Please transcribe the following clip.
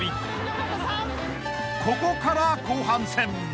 ［ここから後半戦］